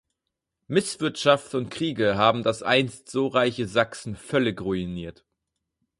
Misswirtschaft und Kriege haben das einst so reiche Sachsen völlig ruiniert.